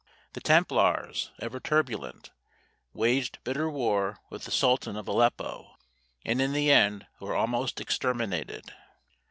The Templars, ever turbulent, waged bitter war with the sultan of Aleppo, and in the end were almost exterminated.